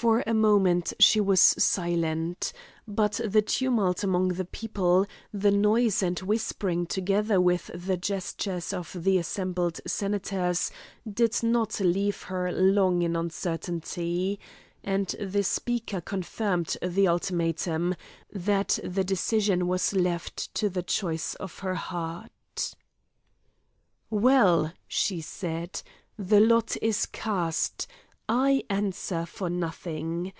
For a moment she was silent, but the tumult among the people, the noise and whispering together with the gestures of the assembled senators, did not leave her long in uncertainty, and the speaker confirmed the ultimatum, that the decision was left to the choice of her heart. "Well!" she said, "the lot is cast; I answer for nothing.